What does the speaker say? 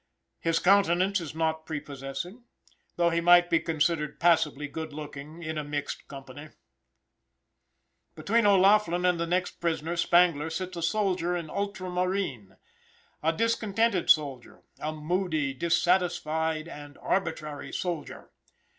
His countenance is not prepossessing, though he might be considered passably good looking in a mixed company. Between O'Laughlin and the next prisoner, Spangler, sits a soldier in ultramarine a discontented soldier, a moody, dissatisfied, and arbitrary soldier.